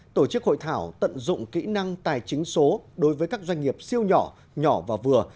tổ chức hội thảo tận dụng kỹ năng tài chính số đối với các doanh nghiệp siêu nhỏ nhỏ và vừa